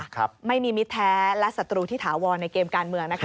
ครับไม่มีมิตรแท้และศัตรูที่ถาวรในเกมการเมืองนะคะ